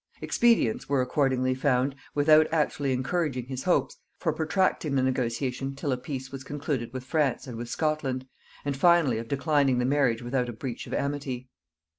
Expedients were accordingly found, without actually encouraging his hopes, for protracting the negotiation till a peace was concluded with France and with Scotland, and finally of declining the marriage without a breach of amity.